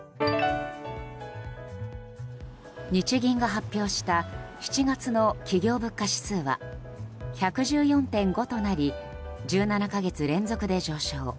日銀が発表した７月の企業物価指数は１１４．５となり１７か月連続で上昇。